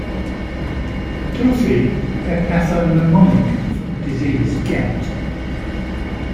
Tophi are pathognomonic for the disease gout.